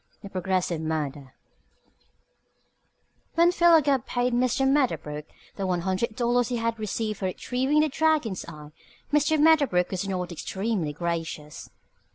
THE PROGRESSIVE MURDER When Philo Gubb paid Mr. Medderbrook the one hundred dollars he had received for retrieving the Dragon's Eye, Mr. Medderbrook was not extremely gracious.